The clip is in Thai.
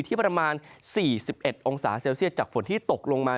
ในภาคฝั่งอันดามันนะครับ